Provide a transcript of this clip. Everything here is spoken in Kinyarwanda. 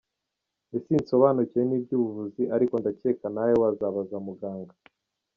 Njye sinsobanukiwe n’iby’ubuvuzi, ariko ndakeka nawe wazabaza muganga.